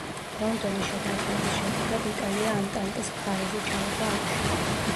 ლონდონის შეთანხმების შედეგად იტალია ანტანტის მხარეზე ჩაება ომში.